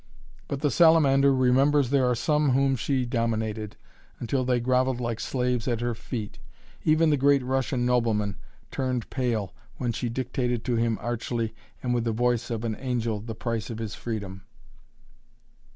But the salamander remembers there are some whom she dominated, until they groveled like slaves at her feet; even the great Russian nobleman turned pale when she dictated to him archly and with the voice of an angel the price of his freedom.